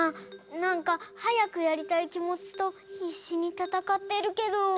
なんかはやくやりたいきもちとひっしにたたかってるけど。